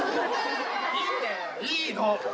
いいんだよいいの！